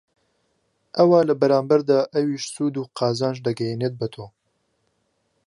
ئەوا لە بەرامبەردا ئەویش سوود و قازانج دەگەیەنێت بەتۆ